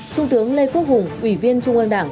trung tướng lê quốc hùng ủy viên trung ương đảng